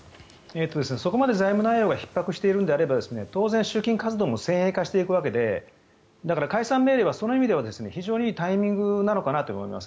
そこまで財務内容がひっ迫しているのであれば集金活動も先鋭化していくわけで解散命令請求は非常にタイミングなのかなと思います。